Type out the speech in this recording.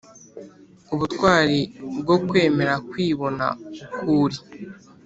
Ubutwari bwo kwemera kwibona uko uri